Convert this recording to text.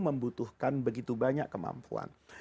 membutuhkan begitu banyak kemampuan